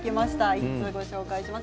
１通ご紹介します。